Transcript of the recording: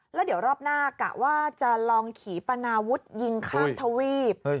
แล้วเดี๋ยวรอบหน้ากะว่าจะลองขี่ปนาวุฒิยิงข้ามทวีป